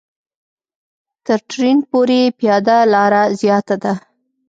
تر ټرېن پورې پیاده لاره زیاته ده.